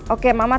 oke mama tuh mau